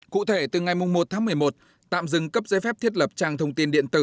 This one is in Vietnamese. cụ thể từ ngày một tháng một mươi một tạm dừng cấp giấy phép thiết lập trang thông tin điện tử